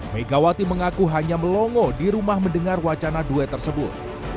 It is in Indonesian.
megawati mengaku hanya melongo di rumah mendengar wacana duet tersebut